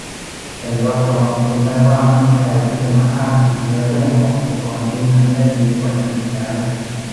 ฉันรับรองกับคุณได้ว่า ไม่มีใครที่จะมาอ้างสิทธิ์ในเรื่องของอุปกรณ์ชิ้นนั้นได้ดีไปกว่าฉันอีกแล้ว